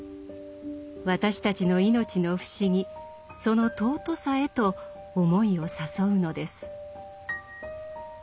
私たちの命の不思議その尊さへと思いを誘うのです。